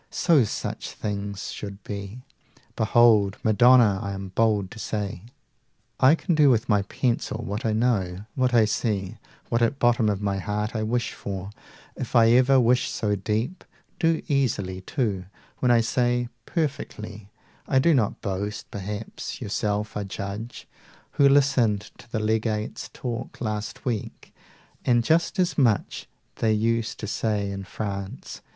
so such thing should be Behold Madonna! I am bold to say. I can do with my pencil what I know, 60 What I see, what at bottom of my heart I wish for, if I ever wish so deep Do easily, too when I say, perfectly, I do not boast, perhaps: yourself are judge, Who listened to the Legate's talk last week, 65 And just as much they used to say in France.